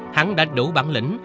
hắn đã đủ bản lĩnh